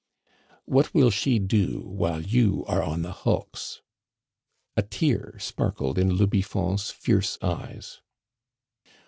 "What will she do while you are on the hulks?" A tear sparkled in le Biffon's fierce eyes.